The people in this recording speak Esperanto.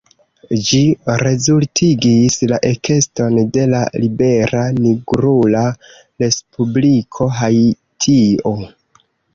Ĝi rezultigis la ekeston de la libera nigrula respubliko Haitio.